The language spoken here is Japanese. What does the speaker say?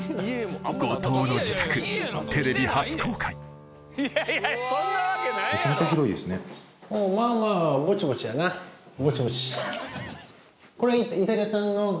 後藤の自宅テレビ初公開ぼちぼち。